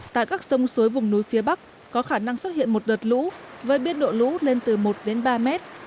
tại các sông suối vùng núi phía bắc có khả năng xuất hiện một đợt lũ với biên độ lũ lên từ một đến ba mét